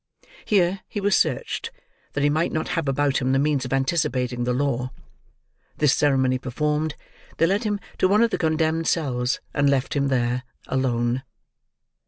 Here, he was searched, that he might not have about him the means of anticipating the law; this ceremony performed, they led him to one of the condemned cells, and left him there—alone.